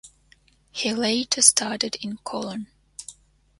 He later studied in Cologne.